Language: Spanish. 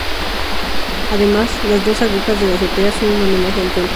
Además, las dos agujas de la azotea son un homenaje al templo.